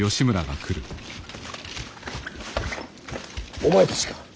お前たちか。